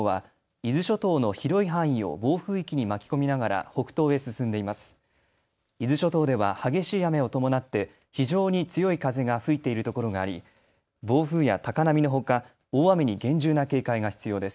伊豆諸島では激しい雨を伴って非常に強い風が吹いているところがあり暴風や高波のほか大雨に厳重な警戒が必要です。